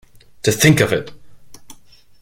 To think of it!